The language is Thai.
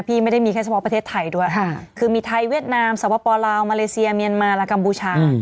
ไม่ได้มีแค่เฉพาะประเทศไทยด้วยคือมีไทยเวียดนามสวปลาวมาเลเซียเมียนมาและกัมพูชา